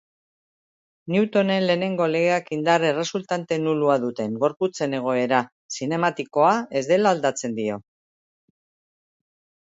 Newtonen lehenengo legeak indar erresultante nulua duten gorputzen egoera zinematikoa ez dela aldatzen dio.